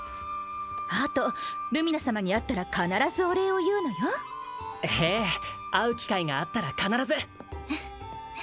あとルミナ様に会ったら必ずお礼を言うのよええ会う機会があったら必ず！